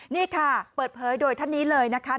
นี่ค่ะเปิดเผยโดยท่านนี้เลยนะคะ